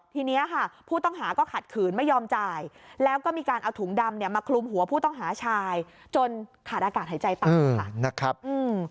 ทีนี้ค่ะผู้ต้องหาก็ขัดขืนไม่ยอมจ่ายแล้วก็มีการเอาถุงดำเนี่ยมาคลุมหัวผู้ต้องหาชายจนขาดอากาศหายใจต่ำค่ะนะครับอืม